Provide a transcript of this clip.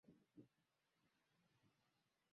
kijana huyo alimpa roberta koti lake la maisha